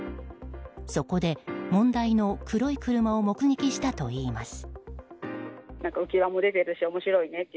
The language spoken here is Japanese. そこで問題の黒い車を目撃したといいます。